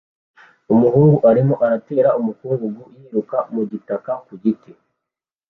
Umuhungu arimo atera umukungugu yiruka mu gitaka ku giti